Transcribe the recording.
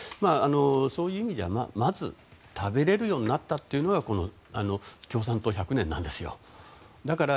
そういう意味ではまず食べれるようになったというのが共産党１００年なんですよ。